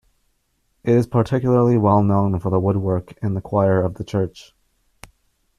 It is particularly well known for the woodwork in the choir of the church.